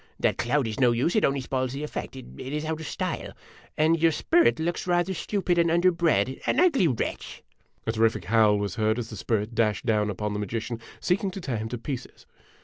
That cloud is no use; it only spoils the effect; it is out of style. And your spirit looks rather stupid and under bred an ugly wretch!" A terrific howl was heard as the spirit dashed down upon the magician, seeking to tear him to pieces.